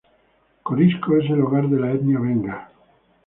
Corisco es el hogar de la etnia benga.